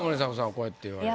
こうやって言われると。